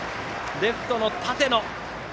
レフトの舘野。